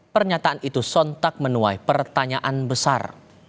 pernyataan itu sontak menuai pertanyaan besar